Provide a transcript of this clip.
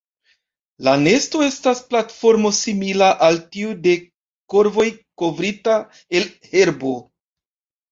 La nesto estas platformo simila al tiu de korvoj kovrita el herbo.